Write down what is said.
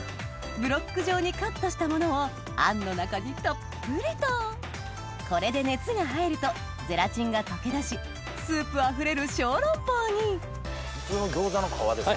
ブロック状にカットしたものをあんの中にたっぷりとこれで熱が入るとゼラチンが溶け出しスープあふれる小籠包に普通の餃子の皮ですか？